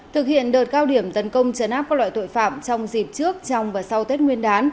thực hiện đợt cao điểm tấn công trấn áp các loại tội phạm trong dịp trước trong và sau tết nguyên đán